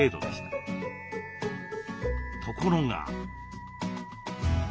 ところが。